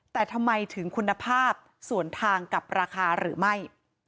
แต่ทำไมถึงคุณภาพส่วนทางกับราคาหรือไม่